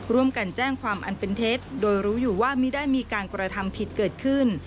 ร่วมกันแจ้งความอันเป็นเท็จโดยรู้อยู่ว่าไม่ได้มีการกระทำผิดเกิดขึ้น